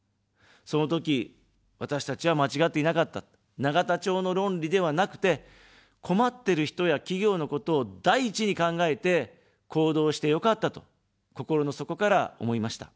そのとき、私たちは間違っていなかった、永田町の論理ではなくて、困ってる人や企業のことを第一に考えて行動してよかったと、心の底から思いました。